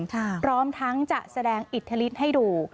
พร้อมทั้งจะแสดงอิทธิฤทธิ์ให้ดู